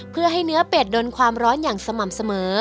เพื่อให้เนื้อเป็ดโดนความร้อนอย่างสม่ำเสมอ